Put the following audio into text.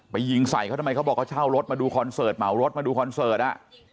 ยิงใส่เขาทำไมเขาบอกเขาเช่ารถมาดูคอนเสิร์ตเหมารถมาดูคอนเสิร์ตอ่ะ